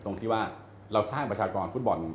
ตรงที่ว่าเราสร้างประชากรฟุตบอล